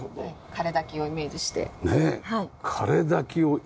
枯れ滝をイメージして。